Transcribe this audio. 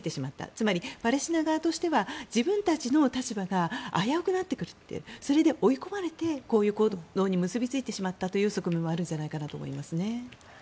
つまりパレスチナ側としては自分たちの立場が危うくなってくるそれで追い込まれてこういう行動に結びついてしまったという側面はあると思いますね。